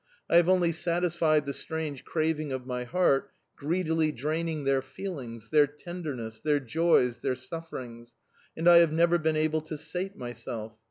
I have only satisfied the strange craving of my heart, greedily draining their feelings, their tenderness, their joys, their sufferings and I have never been able to sate myself.